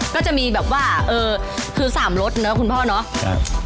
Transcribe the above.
ก็จะมีแบบว่าเออคือสามรสเนอะคุณพ่อเนาะ